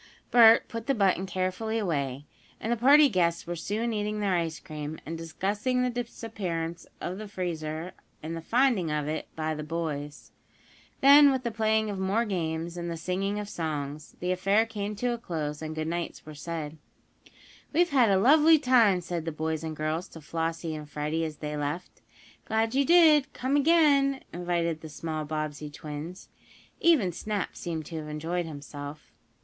Bert put the button carefully away, and the party guests were soon eating their ice cream, and discussing the disappearance of the freezer and the finding of it by the boys. Then with the playing of more games, and the singing of songs, the affair came to a close, and goodnights were said. "We've had a lovely time!" said the boys and girls to Flossie and Freddie, as they left. "Glad you did come again," invited the small Bobbsey twins. Even Snap seemed to have enjoyed himself.